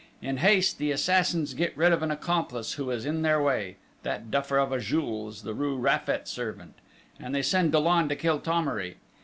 in haste the assassins get rid of an accomplice who is in their way that duffer of a Jules, the rue Raffet servant, and they send Dollon to kill Thomery.